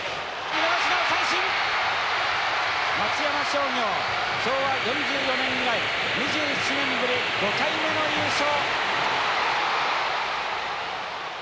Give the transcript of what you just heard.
昭和４４年以来２７年ぶり５回目の優勝。